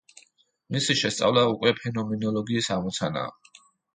მისი შესწავლა უკვე ფენომენოლოგიის ამოცანაა.